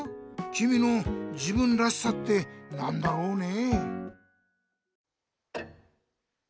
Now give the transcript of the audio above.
君の自分らしさって何だろうね？